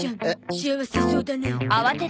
幸せそうだね。